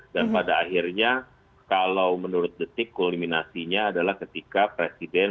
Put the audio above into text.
dan pada akhirnya kalau menurut detik kuliminasinya adalah ketika presiden